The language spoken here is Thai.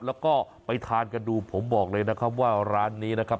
แล้วก็ไปทานกันดูผมบอกเลยนะครับว่าร้านนี้นะครับ